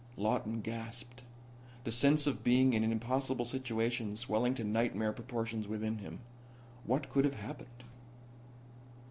Lawton gasped, the sense of being in an impossible situation swelling to nightmare proportions within him. What could have happened?